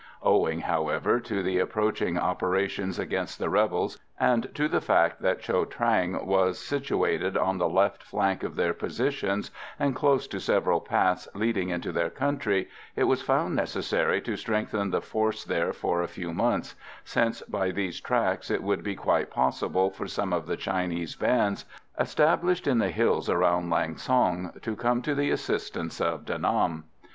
Owing, however, to the approaching operations against the rebels, and to the fact that Cho Trang was situated on the left flank of their positions, and close to several paths leading into their country, it was found necessary to strengthen the force there for a few months; since by these tracks it would be quite possible for some of the Chinese bands, established in the hills around Lang son, to come to the assistance of De Nam.